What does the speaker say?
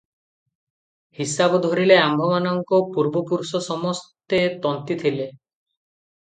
ହିସାବ ଧରିଲେ ଆମ୍ଭମାନଙ୍କ ପୂର୍ବପୁରୁଷ ସମସ୍ତେ ତନ୍ତୀ ଥିଲେ ।